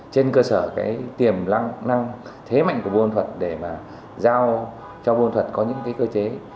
trên cơ sở tiềm năng thế mạnh của buôn ma thuột để mà giao cho buôn ma thuột có những cơ chế